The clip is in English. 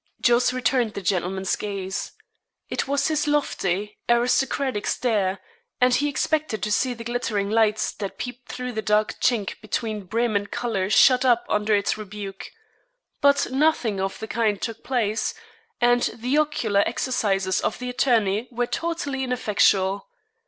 Jos. returned the gentleman's gaze. It was his lofty aristocratic stare; and he expected to see the glittering lights that peeped through the dark chink between brim and collar shut up under its rebuke. But nothing of the kind took place, and the ocular exercises of the attorney were totally ineffectual.